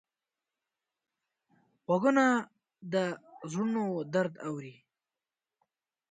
غوږونه د زړونو درد اوري